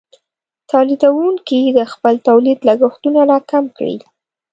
تولیدونکې د خپل تولید لګښتونه راکم کړي.